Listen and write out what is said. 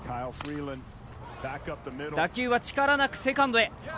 打球は力なくセカンドへ。